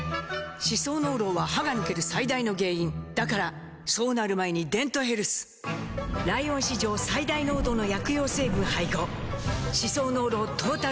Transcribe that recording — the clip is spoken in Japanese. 歯槽膿漏は歯が抜ける最大の原因だからそうなる前に「デントヘルス」ライオン史上最大濃度の薬用成分配合歯槽膿漏トータルケア！